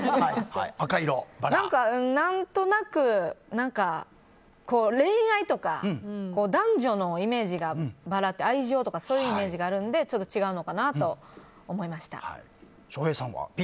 何となく恋愛とか男女のイメージが愛情とかいうイメージがあるのでちょっと違うのかなと思いました。